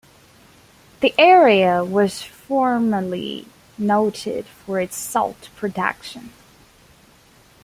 The area was formerly noted for its salt production.